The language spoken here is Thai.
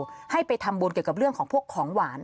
เพื่อไปทำบุญให้เรื่องของพวกของหวาน